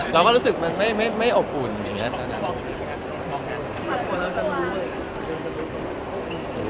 เราก็รู้สึกมันไม่อบอุ่นอย่างนี้